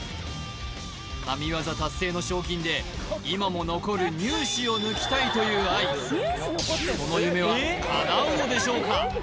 神業達成の賞金で今も残る乳歯を抜きたいという愛その夢はかなうのでしょうか？